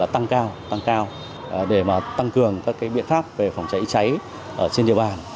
tăng cao tăng cao để mà tăng cường các cái biện pháp về phòng cháy cháy ở trên địa bàn